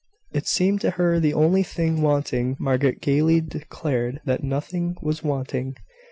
It seemed to her the only thing wanting. Margaret gaily declared that nothing was wanting.